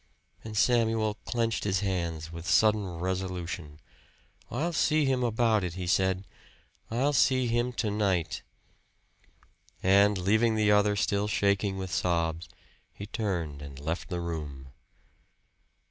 And Samuel clenched his hands with sudden resolution. "I'll see him about it," he said. "I'll see him to night." And leaving the other still shaking with sobs, he turned and left the room.